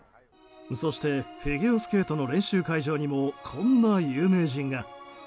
そしてフィギュアスケートの練習会場にもこんな有名人が。